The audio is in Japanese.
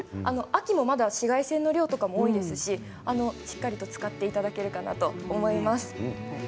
秋の紫外線の量も多いですし、しっかり使っていただけるかなと思います。